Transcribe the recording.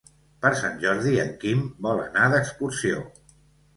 Per Sant Jordi en Quim vol anar d'excursió.